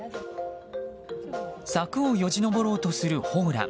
柵をよじ登ろうとするホウラン。